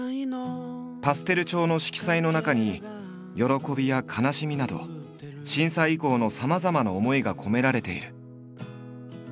パステル調の色彩の中に喜びや悲しみなど震災以降のさまざまな思いが込められている。